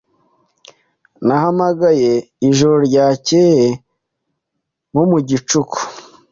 Nahamagaye ijoro ryakeye nko mu gicuku.